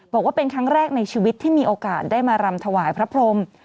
บอกว่าเป็นครั้งแรกในชีวิตที่มีโอกาสได้มารำถวายพระพรม